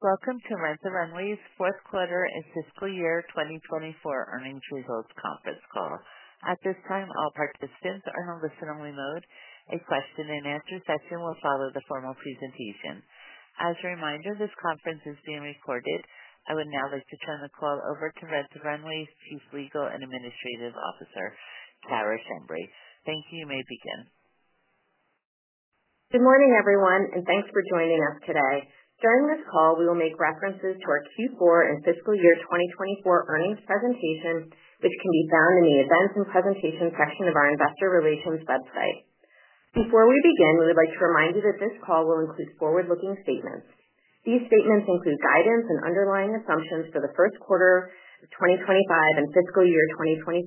Welcome to Rent the Runway's Fourth Quarter and Fiscal Year 2024 Earnings Results Conference Call. At this time, all participants are in a listen-only mode. A question-and-answer session will follow the formal presentation. As a reminder, this conference is being recorded. I would now like to turn the call over to Rent the Runway's Chief Legal and Administrative Officer, Cara Schembri. Thank you. You may begin. Good morning, everyone, and thanks for joining us today. During this call, we will make references to our Q4 and fiscal year 2024 earnings presentation, which can be found in the events and presentation section of our investor relations website. Before we begin, we would like to remind you that this call will include forward-looking statements. These statements include guidance and underlying assumptions for the first quarter of 2025 and fiscal year 2025,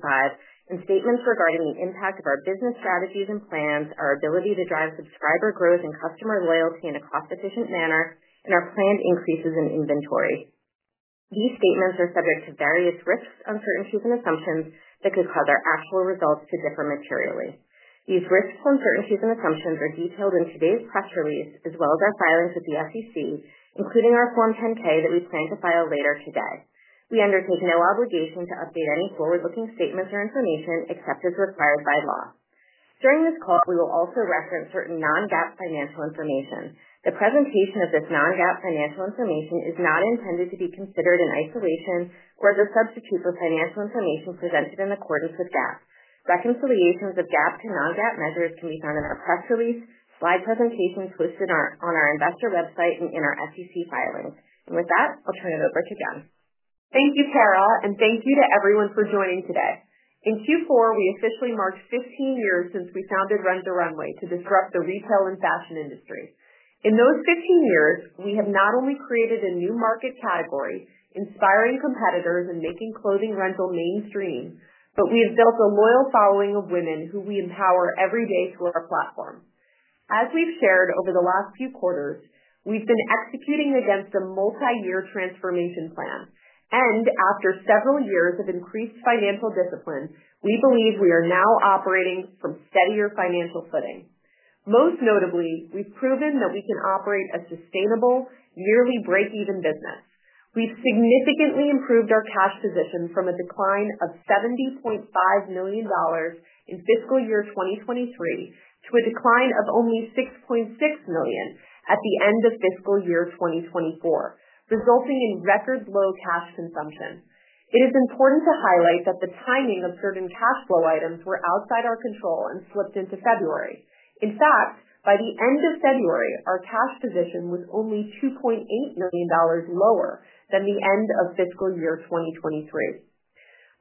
and statements regarding the impact of our business strategies and plans, our ability to drive subscriber growth and customer loyalty in a cost-efficient manner, and our planned increases in inventory. These statements are subject to various risks, uncertainties, and assumptions that could cause our actual results to differ materially. These risks, uncertainties, and assumptions are detailed in today's press release, as well as our filings with the SEC, including our Form 10-K that we plan to file later today. We undertake no obligation to update any forward-looking statements or information except as required by law. During this call, we will also reference certain non-GAAP financial information. The presentation of this non-GAAP financial information is not intended to be considered in isolation or as a substitute for financial information presented in accordance with GAAP. Reconciliations of GAAP to non-GAAP measures can be found in our press release, slide presentations hosted on our investor website, and in our SEC filings. With that, I'll turn it over to Jen. Thank you, Cara, and thank you to everyone for joining today. In Q4, we officially marked 15 years since we founded Rent the Runway to disrupt the retail and fashion industries. In those 15 years, we have not only created a new market category, inspiring competitors, and making clothing rental mainstream, but we have built a loyal following of women who we empower every day through our platform. As we've shared over the last few quarters, we've been executing against a multi-year transformation plan, and after several years of increased financial discipline, we believe we are now operating from steadier financial footing. Most notably, we've proven that we can operate a sustainable, yearly break-even business. We've significantly improved our cash position from a decline of $70.5 million in fiscal year 2023 to a decline of only $6.6 million at the end of fiscal year 2024, resulting in record-low cash consumption. It is important to highlight that the timing of certain cash flow items were outside our control and slipped into February. In fact, by the end of February, our cash position was only $2.8 million lower than the end of fiscal year 2023.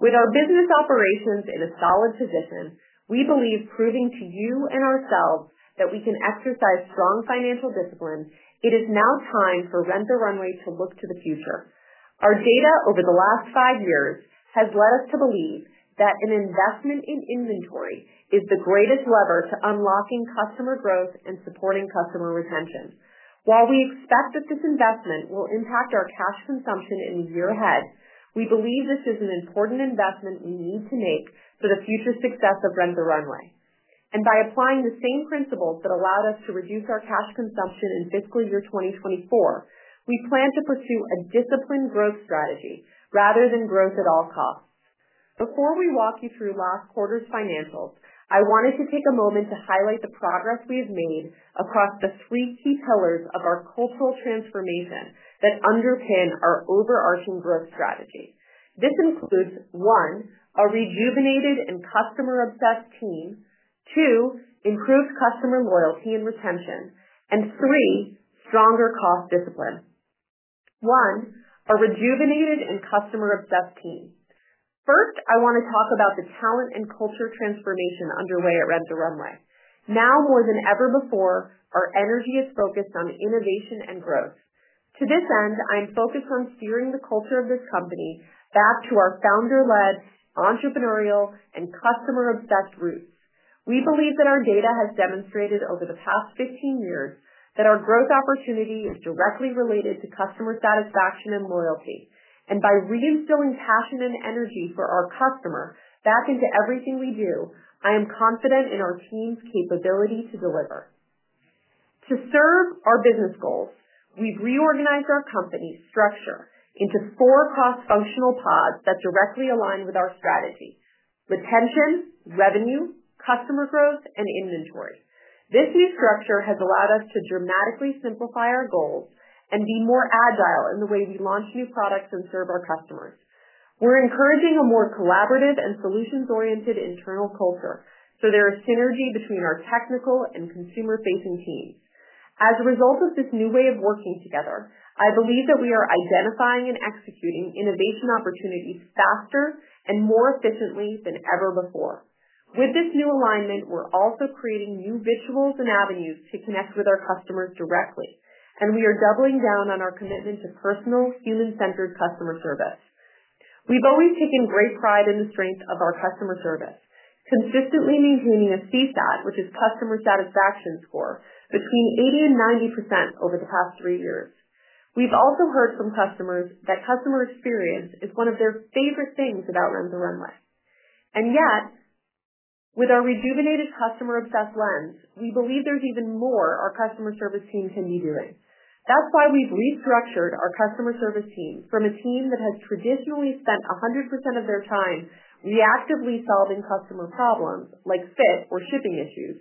With our business operations in a solid position, we believe proving to you and ourselves that we can exercise strong financial discipline, it is now time for Rent the Runway to look to the future. Our data over the last five years has led us to believe that an investment in inventory is the greatest lever to unlocking customer growth and supporting customer retention. While we expect that this investment will impact our cash consumption in the year ahead, we believe this is an important investment we need to make for the future success of Rent the Runway. By applying the same principles that allowed us to reduce our cash consumption in fiscal year 2024, we plan to pursue a disciplined growth strategy rather than growth at all costs. Before we walk you through last quarter's financials, I wanted to take a moment to highlight the progress we have made across the three key pillars of our cultural transformation that underpin our overarching growth strategy. This includes, one, a rejuvenated and customer-obsessed team; two, improved customer loyalty and retention; and three, stronger cost discipline. One, a rejuvenated and customer-obsessed team. First, I want to talk about the talent and culture transformation underway at Rent the Runway. Now more than ever before, our energy is focused on innovation and growth. To this end, I am focused on steering the culture of this company back to our founder-led, entrepreneurial, and customer-obsessed roots. We believe that our data has demonstrated over the past 15 years that our growth opportunity is directly related to customer satisfaction and loyalty. By reinstilling passion and energy for our customer back into everything we do, I am confident in our team's capability to deliver. To serve our business goals, we've reorganized our company structure into four cross-functional pods that directly align with our strategy: retention, revenue, customer growth, and inventory. This new structure has allowed us to dramatically simplify our goals and be more agile in the way we launch new products and serve our customers. We're encouraging a more collaborative and solutions-oriented internal culture, so there is synergy between our technical and consumer-facing teams. As a result of this new way of working together, I believe that we are identifying and executing innovation opportunities faster and more efficiently than ever before. With this new alignment, we're also creating new rituals and avenues to connect with our customers directly, and we are doubling down on our commitment to personal, human-centered customer service. We've always taken great pride in the strength of our customer service, consistently maintaining a CSAT, which is Customer Satisfaction Score, between 80% and 90% over the past 3 years. We've also heard from customers that customer experience is one of their favorite things about Rent the Runway. Yet, with our rejuvenated customer-obsessed lens, we believe there's even more our customer service team can be doing. That's why we've restructured our customer service team from a team that has traditionally spent 100% of their time reactively solving customer problems like fit or shipping issues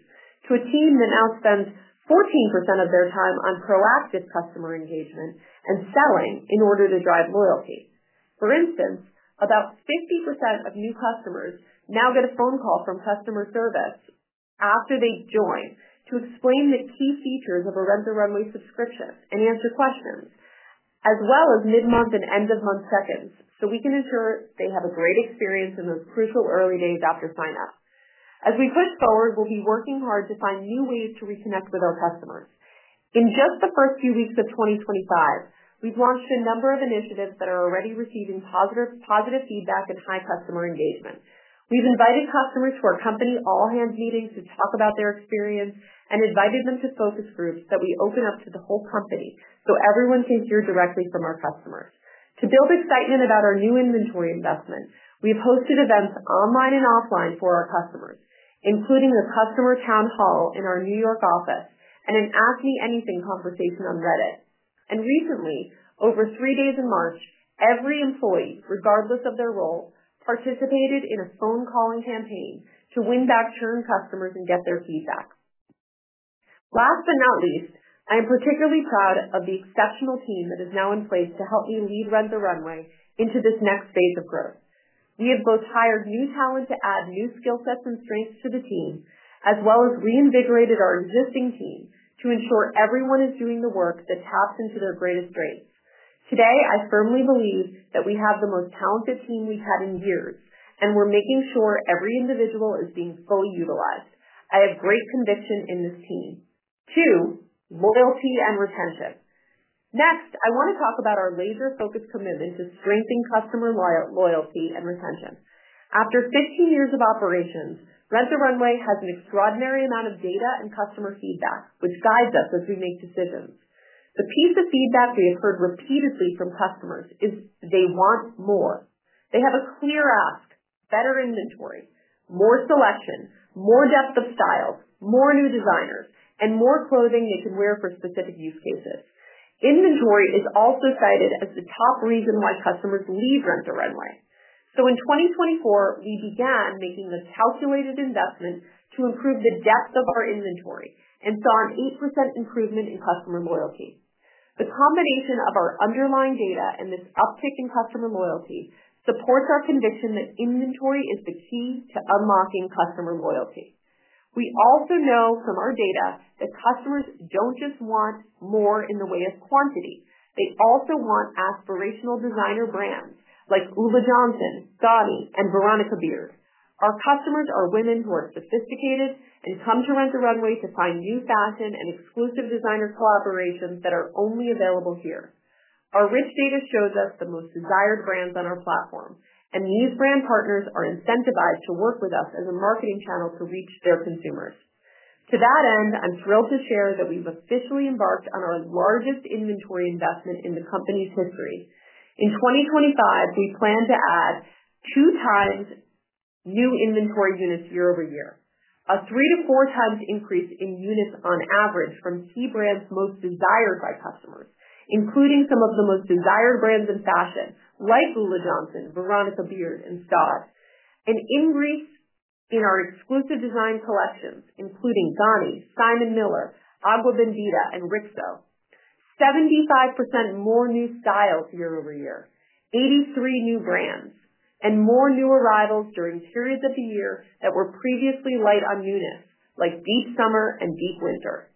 to a team that now spends 14% of their time on proactive customer engagement and selling in order to drive loyalty. For instance, about 50% of new customers now get a phone call from customer service after they join to explain the key features of a Rent the Runway subscription and answer questions, as well as mid-month and end-of-month check-ins, so we can ensure they have a great experience in those crucial early days after sign up. As we push forward, we'll be working hard to find new ways to reconnect with our customers. In just the first few weeks of 2025, we've launched a number of initiatives that are already receiving positive feedback and high customer engagement. We've invited customers to our company all-hands meetings to talk about their experience and invited them to focus groups that we open up to the whole company so everyone can hear directly from our customers. To build excitement about our new inventory investment, we've hosted events online and offline for our customers, including the Customer Town Hall in our New York office and an Ask Me Anything conversation on Reddit. Recently, over three days in March, every employee, regardless of their role, participated in a phone calling campaign to win back churn customers and get their feedback. Last but not least, I am particularly proud of the exceptional team that is now in place to help me lead Rent the Runway into this next phase of growth. We have both hired new talent to add new skill sets and strengths to the team, as well as reinvigorated our existing team to ensure everyone is doing the work that taps into their greatest strengths. Today, I firmly believe that we have the most talented team we've had in years, and we're making sure every individual is being fully utilized. I have great conviction in this team. Two, loyalty and retention. Next, I want to talk about our laser-focused commitment to strengthen customer loyalty and retention. After 15 years of operations, Rent the Runway has an extraordinary amount of data and customer feedback, which guides us as we make decisions. The piece of feedback we have heard repeatedly from customers is they want more. They have a clear ask: better inventory, more selection, more depth of styles, more new designers, and more clothing they can wear for specific use cases. Inventory is also cited as the top reason why customers leave Rent the Runway. In 2024, we began making the calculated investment to improve the depth of our inventory and saw an 8% improvement in customer loyalty. The combination of our underlying data and this uptick in customer loyalty supports our conviction that inventory is the key to unlocking customer loyalty. We also know from our data that customers do not just want more in the way of quantity. They also want aspirational designer brands like Ulla Johnson, Dôen, and Veronica Beard. Our customers are women who are sophisticated and come to Rent the Runway to find new fashion and exclusive designer collaborations that are only available here. Our rich data shows us the most desired brands on our platform, and these brand partners are incentivized to work with us as a marketing channel to reach their consumers. To that end, I'm thrilled to share that we've officially embarked on our largest inventory investment in the company's history. In 2025, we plan to add 2x new inventory units year-over-year, a three to 4x increase in units on average from key brands most desired by customers, including some of the most desired brands in fashion like Ulla Johnson, Veronica Beard, and Scott, an increase in our exclusive design collections, including Dôen, Simon Miller, Agua Bendita, and RIXO, 75% more new styles year-over-year, 83 new brands, and more new arrivals during periods of the year that were previously light on units like Deep Summer and Deep Winter.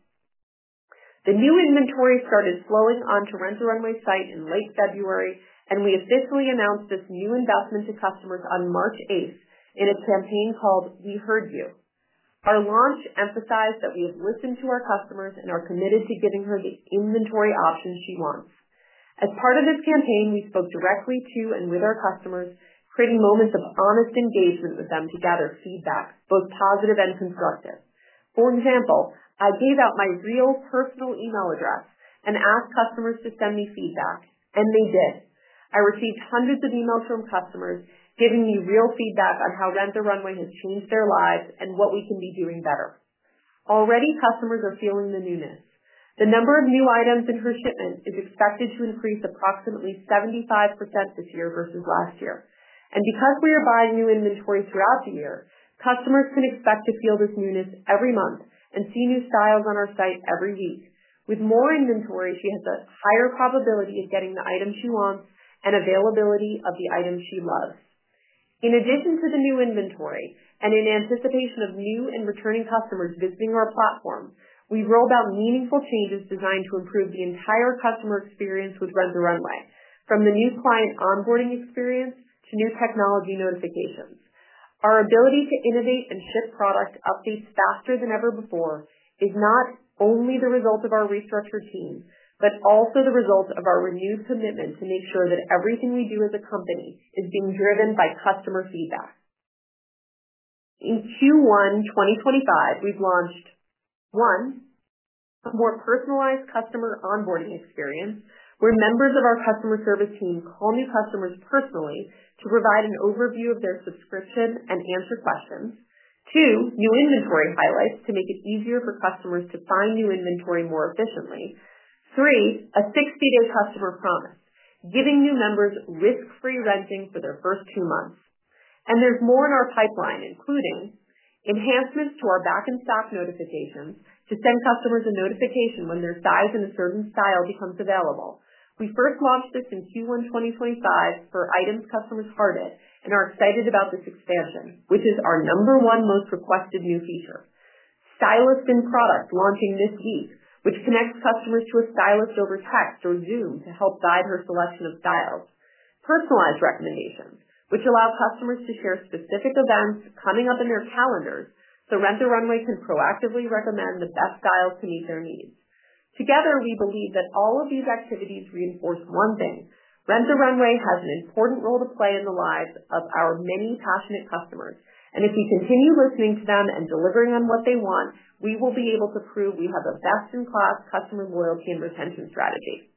The new inventory started flowing onto Rent the Runway site in late February, and we officially announced this new investment to customers on March 8th in a campaign called We Heard You. Our launch emphasized that we have listened to our customers and are committed to giving her the inventory options she wants. As part of this campaign, we spoke directly to and with our customers, creating moments of honest engagement with them to gather feedback, both positive and constructive. For example, I gave out my real personal email address and asked customers to send me feedback, and they did. I received hundreds of emails from customers giving me real feedback on how Rent the Runway has changed their lives and what we can be doing better. Already, customers are feeling the newness. The number of new items in her shipment is expected to increase approximately 75% this year versus last year. Because we are buying new inventory throughout the year, customers can expect to feel this newness every month and see new styles on our site every week. With more inventory, she has a higher probability of getting the item she wants and availability of the item she loves. In addition to the new inventory and in anticipation of new and returning customers visiting our platform, we rolled out meaningful changes designed to improve the entire customer experience with Rent the Runway, from the new client onboarding experience to new technology notifications. Our ability to innovate and ship product updates faster than ever before is not only the result of our restructured team, but also the result of our renewed commitment to make sure that everything we do as a company is being driven by customer feedback. In Q1 2025, we've launched: one, a more personalized customer onboarding experience where members of our customer service team call new customers personally to provide an overview of their subscription and answer questions; two, new inventory highlights to make it easier for customers to find new inventory more efficiently; three, a 60-day customer promise, giving new members risk-free renting for their first two months. There is more in our pipeline, including enhancements to our back-and-stock notifications to send customers a notification when their size and a certain style becomes available. We first launched this in Q1 2025 for items customers hearted and are excited about this expansion, which is our number one most requested new feature. Stylist-in-product launching this week, which connects customers to a stylist over text or Zoom to help guide her selection of styles. Personalized recommendations, which allow customers to share specific events coming up in their calendars so Rent the Runway can proactively recommend the best styles to meet their needs. Together, we believe that all of these activities reinforce one thing: Rent the Runway has an important role to play in the lives of our many passionate customers. If we continue listening to them and delivering on what they want, we will be able to prove we have the best-in-class customer loyalty and retention strategy.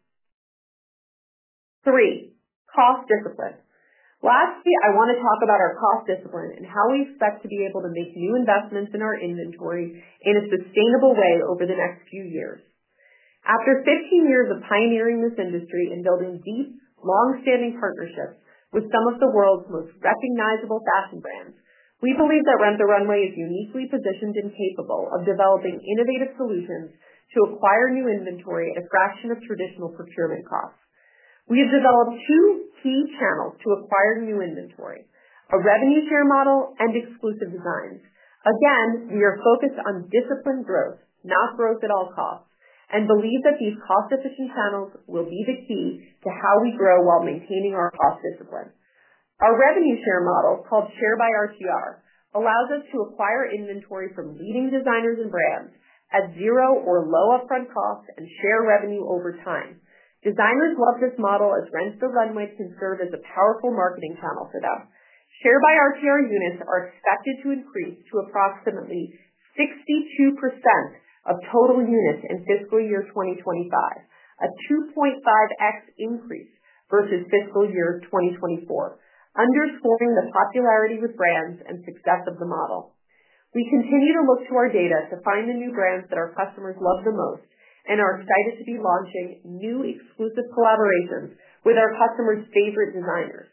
Three, cost discipline. Lastly, I want to talk about our cost discipline and how we expect to be able to make new investments in our inventory in a sustainable way over the next few years. After 15 years of pioneering this industry and building deep, long-standing partnerships with some of the world's most recognizable fashion brands, we believe that Rent the Runway is uniquely positioned and capable of developing innovative solutions to acquire new inventory at a fraction of traditional procurement costs. We have developed two key channels to acquire new inventory: a revenue share model and exclusive designs. Again, we are focused on disciplined growth, not growth at all costs, and believe that these cost-efficient channels will be the key to how we grow while maintaining our cost discipline. Our revenue share model, called Share by RTR, allows us to acquire inventory from leading designers and brands at zero or low upfront costs and share revenue over time. Designers love this model as Rent the Runway can serve as a powerful marketing channel for them. Share by RTR units are expected to increase to approximately 62% of total units in fiscal year 2025, a 2.5x increase versus fiscal year 2024, underscoring the popularity with brands and success of the model. We continue to look to our data to find the new brands that our customers love the most and are excited to be launching new exclusive collaborations with our customers' favorite designers.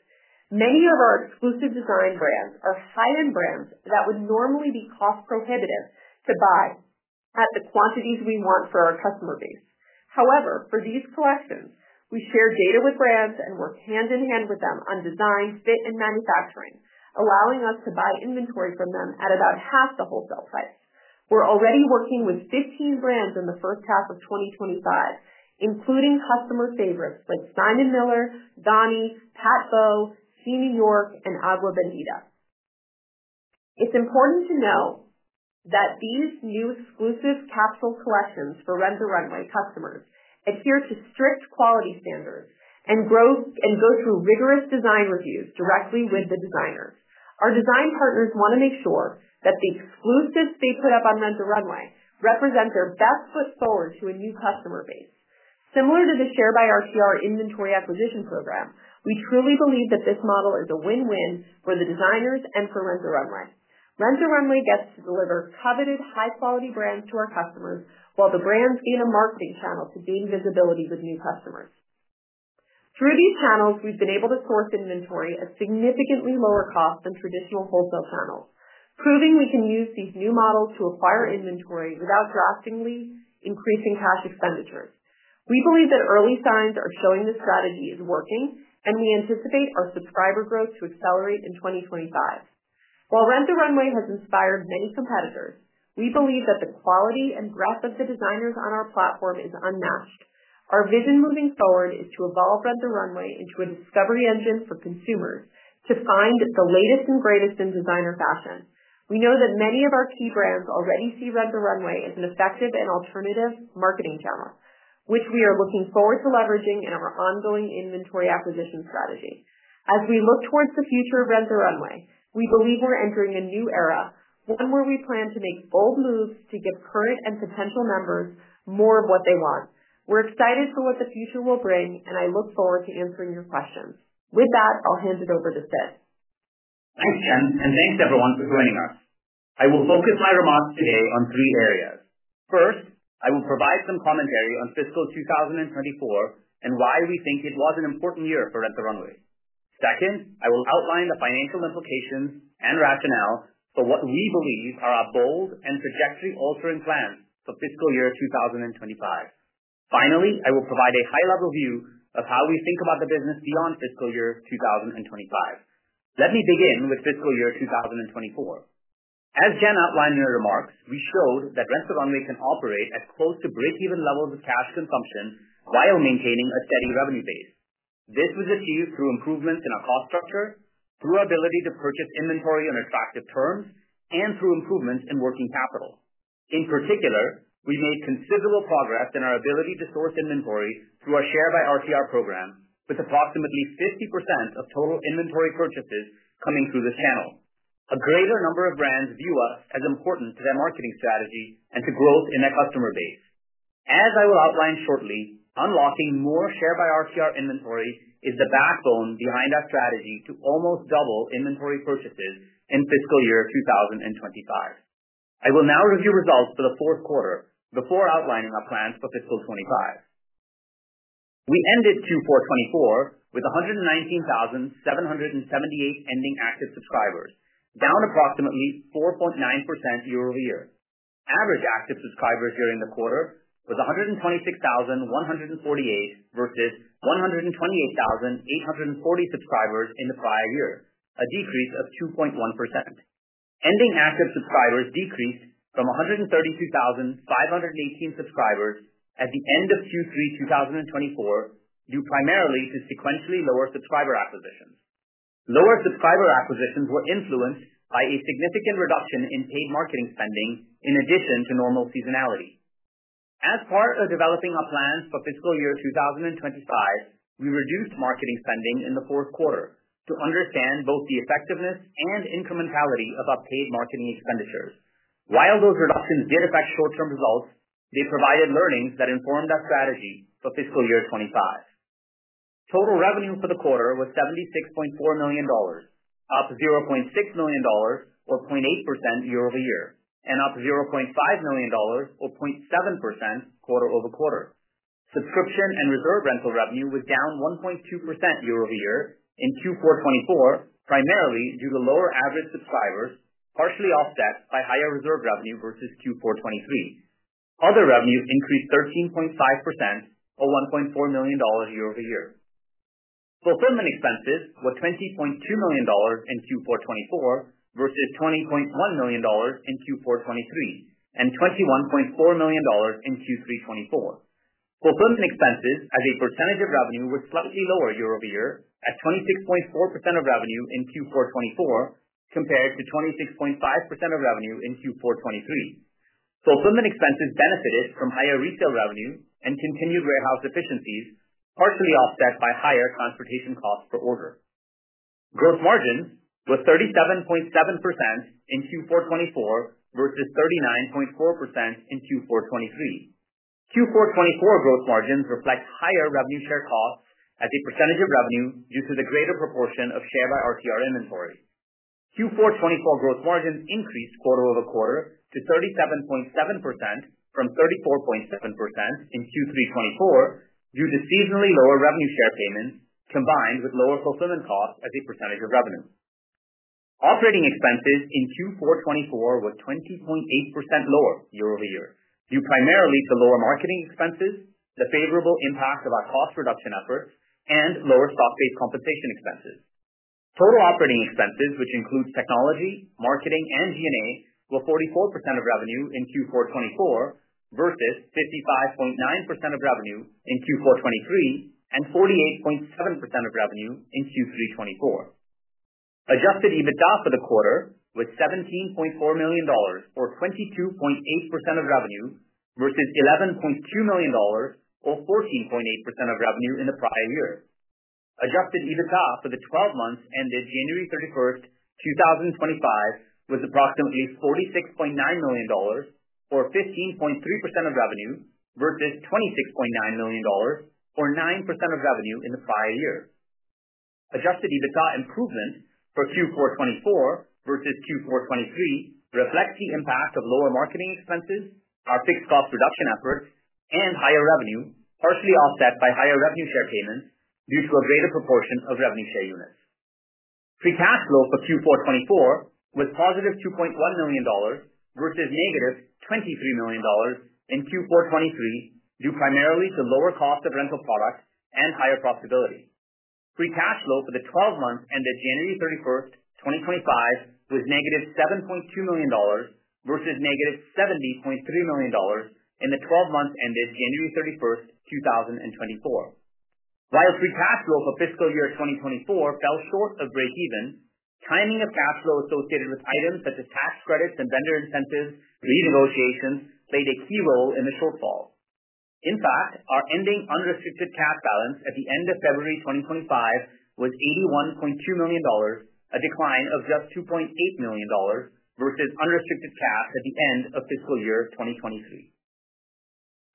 Many of our exclusive design brands are high-end brands that would normally be cost-prohibitive to buy at the quantities we want for our customer base. However, for these collections, we share data with brands and work hand-in-hand with them on design, fit, and manufacturing, allowing us to buy inventory from them at about 0.5 the wholesale price. We're already working with 15 brands in the first half of 2025, including customer favorites like Simon Miller, Dôen, PatBO, Simkhai, and Agua Bendita. It's important to know that these new exclusive capsule collections for Rent the Runway customers adhere to strict quality standards and go through rigorous design reviews directly with the designers. Our design partners want to make sure that the exclusives they put up on Rent the Runway represent their best foot forward to a new customer base. Similar to the Share by RTR inventory acquisition program, we truly believe that this model is a win-win for the designers and for Rent the Runway. Rent the Runway gets to deliver coveted, high-quality brands to our customers while the brands gain a marketing channel to gain visibility with new customers. Through these channels, we've been able to source inventory at significantly lower costs than traditional wholesale channels, proving we can use these new models to acquire inventory without drastically increasing cash expenditures. We believe that early signs are showing the strategy is working, and we anticipate our subscriber growth to accelerate in 2025. While Rent the Runway has inspired many competitors, we believe that the quality and breadth of the designers on our platform is unmatched. Our vision moving forward is to evolve Rent the Runway into a discovery engine for consumers to find the latest and greatest in designer fashion. We know that many of our key brands already see Rent the Runway as an effective and alternative marketing channel, which we are looking forward to leveraging in our ongoing inventory acquisition strategy. As we look towards the future of Rent the Runway, we believe we're entering a new era, one where we plan to make bold moves to give current and potential members more of what they want. We're excited for what the future will bring, and I look forward to answering your questions. With that, I'll hand it over to Sid. Thanks, Jen, and thanks everyone for joining us. I will focus my remarks today on three areas. First, I will provide some commentary on fiscal 2024 and why we think it was an important year for Rent the Runway. Second, I will outline the financial implications and rationale for what we believe are our bold and trajectory-altering plans for fiscal year 2025. Finally, I will provide a high-level view of how we think about the business beyond fiscal year 2025. Let me begin with fiscal year 2024. As Jen outlined in her remarks, we showed that Rent the Runway can operate at close to break-even levels of cash consumption while maintaining a steady revenue base. This was achieved through improvements in our cost structure, through our ability to purchase inventory on attractive terms, and through improvements in working capital. In particular, we made considerable progress in our ability to source inventory through our Share by RTR program, with approximately 50% of total inventory purchases coming through this channel. A greater number of brands view us as important to their marketing strategy and to growth in their customer base. As I will outline shortly, unlocking more Share by RTR inventory is the backbone behind our strategy to almost double inventory purchases in fiscal year 2025. I will now review results for the fourth quarter before outlining our plans for fiscal 2025. We ended Q4 2024 with 119,778 ending active subscribers, down approximately 4.9% year-over-year. Average active subscribers during the quarter was 126,148 versus 128,840 subscribers in the prior year, a decrease of 2.1%. Ending active subscribers decreased from 132,518 subscribers at the end of Q3 2024 due primarily to sequentially lower subscriber acquisitions. Lower subscriber acquisitions were influenced by a significant reduction in paid marketing spending in addition to normal seasonality. As part of developing our plans for fiscal year 2025, we reduced marketing spending in the fourth quarter to understand both the effectiveness and incrementality of our paid marketing expenditures. While those reductions did affect short-term results, they provided learnings that informed our strategy for fiscal year 2025. Total revenue for the quarter was $76.4 million, up $0.6 million or 0.8% year-over-year, and up $0.5 million or 0.7% quarter-over-quarter. Subscription and Reserve rental revenue was down 1.2% year-over-year in Q4 2024, primarily due to lower average subscribers, partially offset by higher Reserve revenue versus Q4 2023. Other revenues increased 13.5% or $1.4 million year-over-year. Fulfillment expenses were $20.2 million in Q4 2024 versus $20.1 million in Q4 2023 and $21.4 million in Q3 2024. Fulfillment expenses, as a percentage of revenue, were slightly lower year-over-year at 26.4% of revenue in Q4 2024 compared to 26.5% of revenue in Q4 2023. Fulfillment expenses benefited from higher retail revenue and continued warehouse efficiencies, partially offset by higher transportation costs per order. Gross margins were 37.7% in Q4 2024 versus 39.4% in Q4 2023. Q4 2024 gross margins reflect higher revenue share costs as a percentage of revenue due to the greater proportion of Share by RTR inventory. Q4 2024 gross margins increased quarter-over-quarter to 37.7% from 34.7% in Q3 2024 due to seasonally lower revenue share payments combined with lower fulfillment costs as a percentage of revenue. Operating expenses in Q4 2024 were 20.8% lower year-over-year due primarily to lower marketing expenses, the favorable impact of our cost reduction efforts, and lower stock-based compensation expenses. Total operating expenses, which includes technology, marketing, and G&A, were 44% of revenue in Q4 2024 versus 55.9% of revenue in Q4 2023 and 48.7% of revenue in Q3 2024. Adjusted EBITDA for the quarter was $17.4 million or 22.8% of revenue versus $11.2 million or 14.8% of revenue in the prior year. Adjusted EBITDA for the 12 months ended January 31, 2025, was approximately $46.9 million or 15.3% of revenue versus $26.9 million or 9% of revenue in the prior year. Adjusted EBITDA improvement for Q4 24 versus Q4 23 reflects the impact of lower marketing expenses, our fixed cost reduction efforts, and higher revenue, partially offset by higher revenue share payments due to a greater proportion of revenue share units. Pre-cash flow for Q4 24 was +$2.1 million versus -$23 million in Q4 23 due primarily to lower cost of rental product and higher profitability. Pre-cash flow for the 12 months ended January 31, 2025, was -$7.2 million versus -$70.3 million in the 12 months ended January 31, 2024. While pre-cash flow for fiscal year 2024 fell short of break-even, timing of cash flow associated with items such as tax credits and vendor incentives renegotiations played a key role in the shortfall. In fact, our ending unrestricted cash balance at the end of February 2025 was $81.2 million, a decline of just $2.8 million versus unrestricted cash at the end of fiscal year 2023.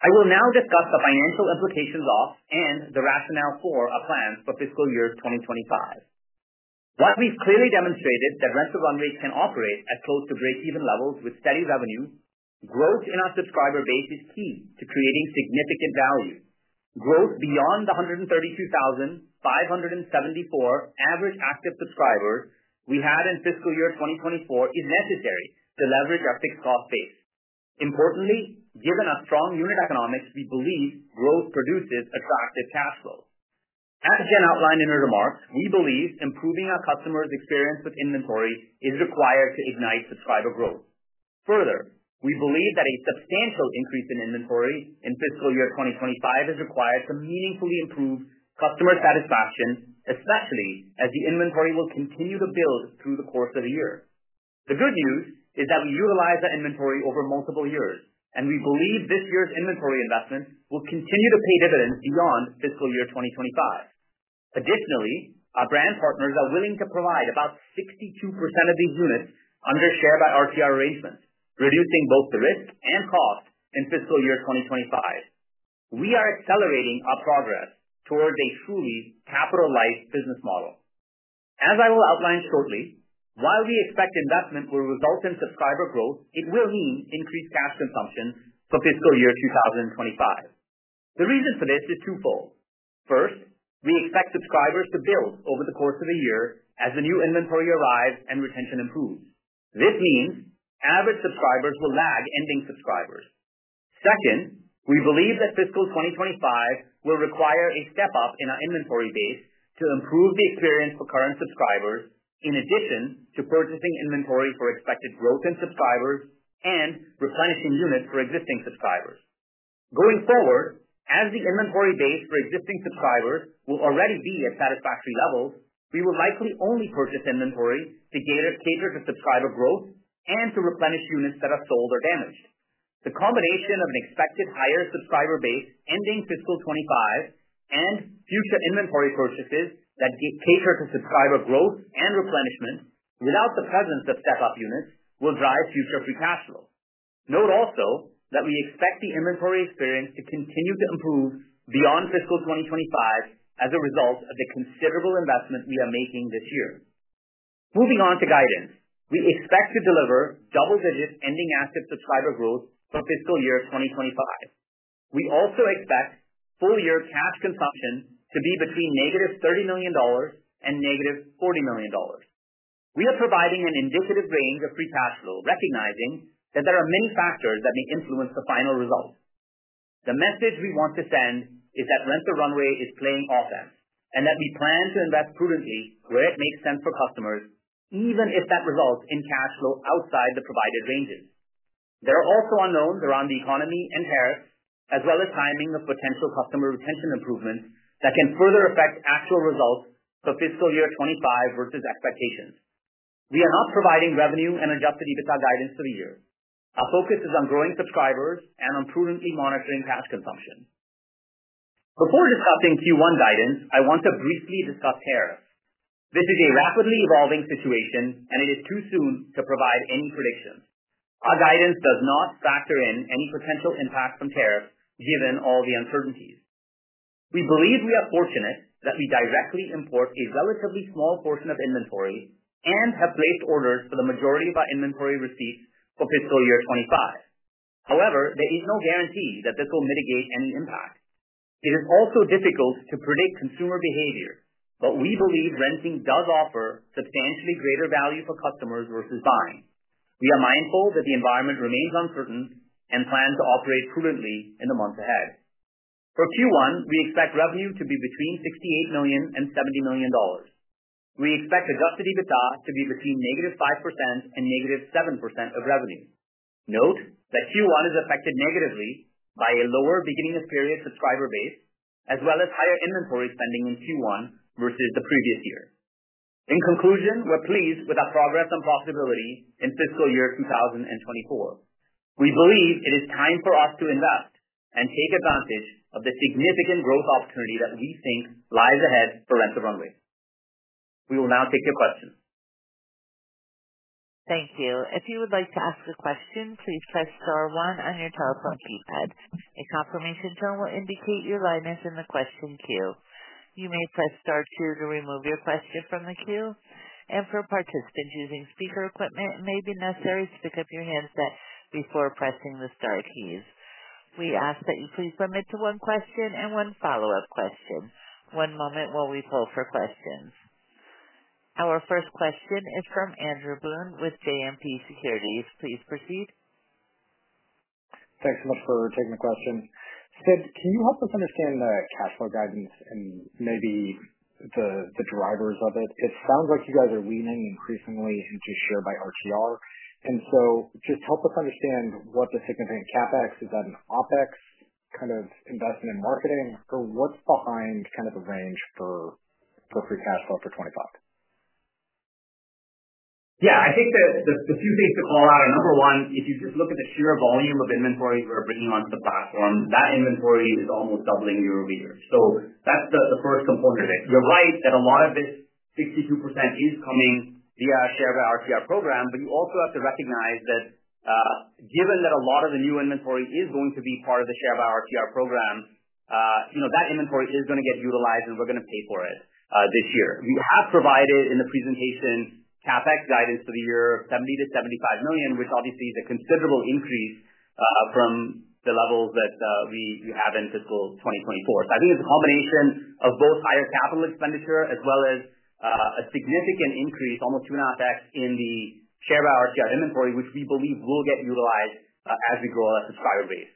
I will now discuss the financial implications of and the rationale for our plans for fiscal year 2025. While we've clearly demonstrated that Rent the Runway can operate at close to break-even levels with steady revenue, growth in our subscriber base is key to creating significant value. Growth beyond the 132,574 average active subscribers we had in fiscal year 2024 is necessary to leverage our fixed cost base. Importantly, given our strong unit economics, we believe growth produces attractive cash flows. As Jen outlined in her remarks, we believe improving our customers' experience with inventory is required to ignite subscriber growth. Further, we believe that a substantial increase in inventory in fiscal year 2025 is required to meaningfully improve customer satisfaction, especially as the inventory will continue to build through the course of the year. The good news is that we utilize that inventory over multiple years, and we believe this year's inventory investment will continue to pay dividends beyond fiscal year 2025. Additionally, our brand partners are willing to provide about 62% of these units under Share by RTR arrangements, reducing both the risk and cost in fiscal year 2025. We are accelerating our progress towards a truly capital-like business model. As I will outline shortly, while we expect investment will result in subscriber growth, it will mean increased cash consumption for fiscal year 2025. The reason for this is twofold. First, we expect subscribers to build over the course of the year as the new inventory arrives and retention improves. This means average subscribers will lag ending subscribers. Second, we believe that fiscal 2025 will require a step-up in our inventory base to improve the experience for current subscribers, in addition to purchasing inventory for expected growth in subscribers and replenishing units for existing subscribers. Going forward, as the inventory base for existing subscribers will already be at satisfactory levels, we will likely only purchase inventory to cater to subscriber growth and to replenish units that are sold or damaged. The combination of an expected higher subscriber base ending fiscal 2025 and future inventory purchases that cater to subscriber growth and replenishment without the presence of step-up units will drive future pre-cash flow. Note also that we expect the inventory experience to continue to improve beyond fiscal 2025 as a result of the considerable investment we are making this year. Moving on to guidance, we expect to deliver double-digit ending active subscriber growth for fiscal year 2025. We also expect full-year cash consumption to be between -$30 million and -$40 million. We are providing an indicative range of pre-cash flow, recognizing that there are many factors that may influence the final result. The message we want to send is that Rent the Runway is playing offense and that we plan to invest prudently where it makes sense for customers, even if that results in cash flow outside the provided ranges. There are also unknowns around the economy and tariffs, as well as timing of potential customer retention improvements that can further affect actual results for fiscal year 2025 versus expectations. We are not providing revenue and adjusted EBITDA guidance for the year. Our focus is on growing subscribers and on prudently monitoring cash consumption. Before discussing Q1 guidance, I want to briefly discuss tariffs. This is a rapidly evolving situation, and it is too soon to provide any predictions. Our guidance does not factor in any potential impact from tariffs given all the uncertainties. We believe we are fortunate that we directly import a relatively small portion of inventory and have placed orders for the majority of our inventory receipts for fiscal year 2025. However, there is no guarantee that this will mitigate any impact. It is also difficult to predict consumer behavior, but we believe renting does offer substantially greater value for customers versus buying. We are mindful that the environment remains uncertain and plan to operate prudently in the months ahead. For Q1, we expect revenue to be between $68 million and $70 million. We expect adjusted EBITDA to be between -5% and -7% of revenue. Note that Q1 is affected negatively by a lower beginning-of-period subscriber base, as well as higher inventory spending in Q1 versus the previous year. In conclusion, we're pleased with our progress and profitability in fiscal year 2024. We believe it is time for us to invest and take advantage of the significant growth opportunity that we think lies ahead for Rent the Runway. We will now take your questions. Thank you. If you would like to ask a question, please press star one on your telephone keypad. A confirmation tone will indicate your liveness in the question queue. You may press star two to remove your question from the queue. For participants using speaker equipment, it may be necessary to pick up your handset before pressing the Star keys. We ask that you please limit to one question and one follow up question. One moment while we pull for questions. Our first question is from Andrew Boone with JMP Securities. Please proceed. Thanks so much for taking the question. Sid, can you help us understand the cash flow guidance and maybe the drivers of it? It sounds like you guys are leaning increasingly into Share by RTR. Just help us understand what the significant CapEx—is that an OpEx kind of investment in marketing? Or what is behind the range for pre-cash flow for 2025? Yeah. I think the few things to call out are: number one, if you just look at the sheer volume of inventory we're bringing onto the platform, that inventory is almost doubling year-over-year. That is the first component of it. You're right that a lot of this 62% is coming via our Share by RTR program, but you also have to recognize that given that a lot of the new inventory is going to be part of the Share by RTR program, that inventory is going to get utilized, and we're going to pay for it this year. We have provided in the presentation CapEx guidance for the year of $70-$75 million, which obviously is a considerable increase from the levels that we have in fiscal 2024. I think it's a combination of both higher capital expenditure as well as a significant increase, almost 2.5X, in the Share by RTR inventory, which we believe will get utilized as we grow our subscriber base.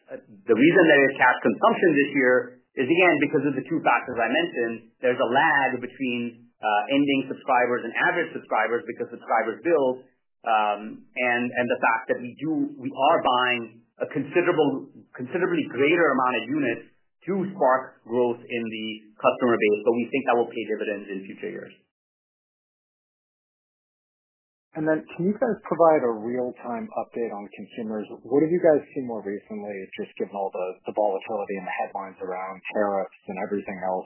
The reason there is cash consumption this year is, again, because of the two factors I mentioned. There's a lag between ending subscribers and average subscribers because subscribers build, and the fact that we are buying a considerably greater amount of units to spark growth in the customer base, but we think that will pay dividends in future years. Can you guys provide a real-time update on consumers? What have you guys seen more recently, just given all the volatility and the headlines around tariffs and everything else?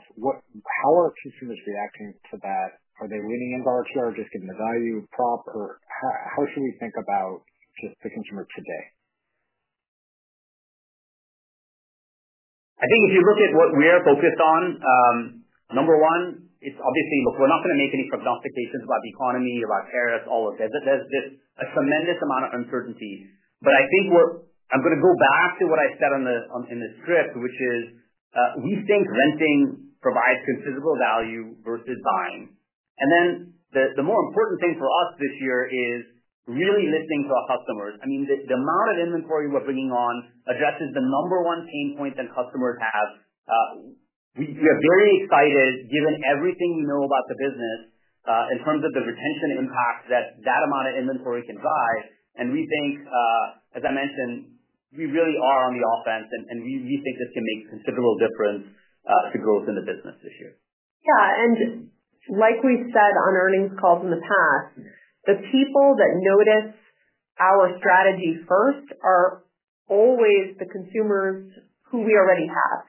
How are consumers reacting to that? Are they leaning into RTR, just given the value prop? How should we think about just the consumer today? I think if you look at what we are focused on, number one, it's obviously, look, we're not going to make any prognostications about the economy, about tariffs, all of this. There's a tremendous amount of uncertainty. I think we're, I'm going to go back to what I said in the script, which is we think renting provides considerable value versus buying. The more important thing for us this year is really listening to our customers. I mean, the amount of inventory we're bringing on addresses the number one pain point that customers have. We are very excited, given everything we know about the business, in terms of the retention impact that that amount of inventory can drive. We think, as I mentioned, we really are on the offense, and we think this can make a considerable difference to growth in the business this year. Yeah. Like we've said on earnings calls in the past, the people that notice our strategy first are always the consumers who we already have.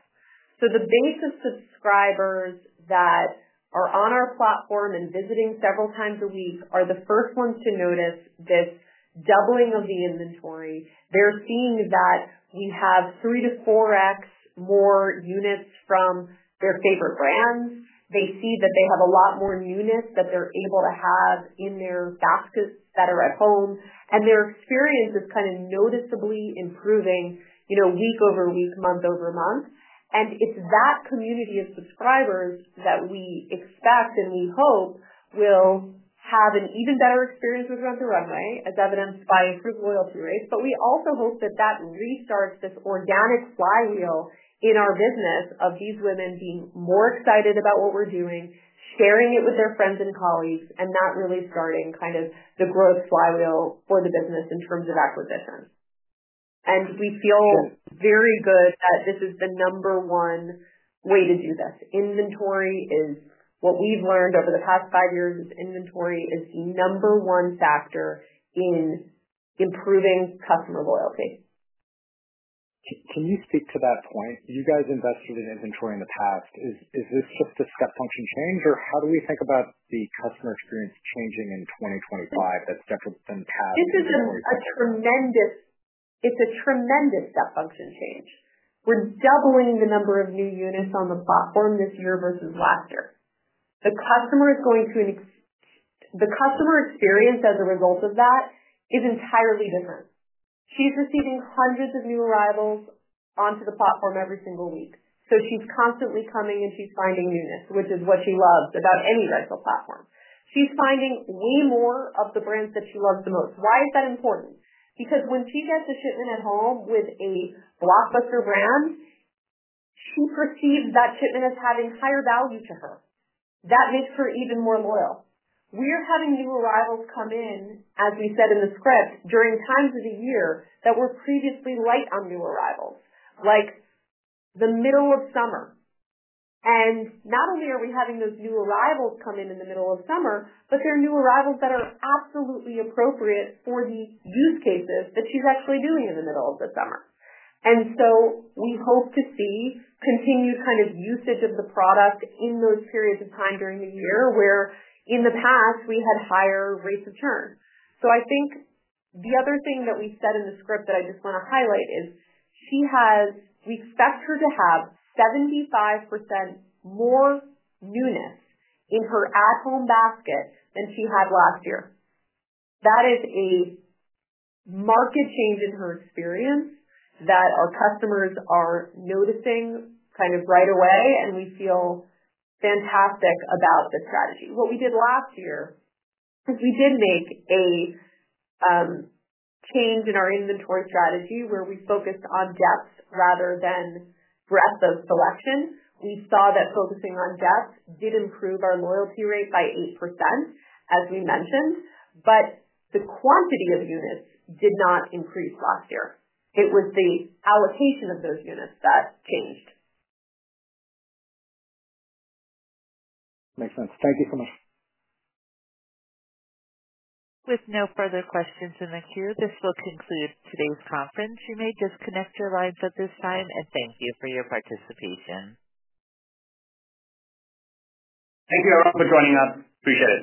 The base of subscribers that are on our platform and visiting several times a week are the first ones to notice this doubling of the inventory. They're seeing that we have 3x-4x more units from their favorite brands. They see that they have a lot more newness that they're able to have in their baskets that are at home. Their experience is kind of noticeably improving week over week, month over month. It is that community of subscribers that we expect and we hope will have an even better experience with Rent the Runway, as evidenced by improved loyalty rates. We also hope that restarts this organic flywheel in our business of these women being more excited about what we are doing, sharing it with their friends and colleagues, and that really starting kind of the growth flywheel for the business in terms of acquisitions. We feel very good that this is the number one way to do this. Inventory is what we have learned over the past five years: inventory is the number one factor in improving customer loyalty. Can you speak to that point? You guys invested in inventory in the past. Is this just a step function change? How do we think about the customer experience changing in 2025 that is different than past inventory? This is a tremendous—it's a tremendous step function change. We're doubling the number of new units on the platform this year versus last year. The customer is going to—the customer experience as a result of that is entirely different. She's receiving hundreds of new arrivals onto the platform every single week. She is constantly coming, and she is finding newness, which is what she loves about any rental platform. She is finding way more of the brands that she loves the most. Why is that important? Because when she gets a shipment at home with a blockbuster brand, she perceives that shipment as having higher value to her. That makes her even more loyal. We are having new arrivals come in, as we said in the script, during times of the year that were previously light on new arrivals, like the middle of summer. Not only are we having those new arrivals come in in the middle of summer, but they're new arrivals that are absolutely appropriate for the use cases that she's actually doing in the middle of the summer. We hope to see continued kind of usage of the product in those periods of time during the year where, in the past, we had higher rates of churn. I think the other thing that we said in the script that I just want to highlight is she has—we expect her to have 75% more newness in her at-home basket than she had last year. That is a marked change in her experience that our customers are noticing kind of right away, and we feel fantastic about the strategy. What we did last year is we did make a change in our inventory strategy where we focused on depth rather than breadth of selection. We saw that focusing on depth did improve our loyalty rate by 8%, as we mentioned. The quantity of units did not increase last year. It was the allocation of those units that changed. Makes sense. Thank you so much. With no further questions in the queue, this will conclude today's conference. You may disconnect your lines at this time and thank you for your participation. Thank you, everyone, for joining us. Appreciate it.